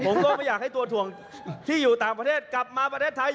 ผมก็ไม่อยากให้ตัวถ่วงที่อยู่ต่างประเทศกลับมาประเทศไทย